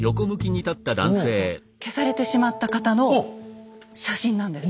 なんと消されてしまった方の写真なんです。